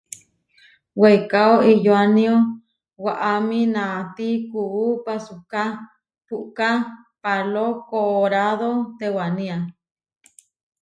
Weikáo iʼyoánio waʼámi naatí kuú pasúka puʼká pálo koorádo tewaniá.